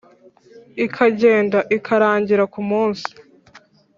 ikagenda ikarangira ku munsi